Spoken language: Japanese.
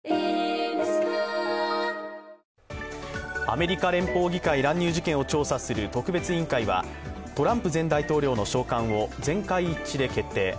アメリカ連邦議会乱入事件を調査する特別委員会はトランプ前大統領の召喚を全会一致で決定。